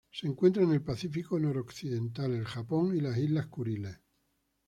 Se encuentra en el Pacífico noroccidental: el Japón y Islas Kuriles.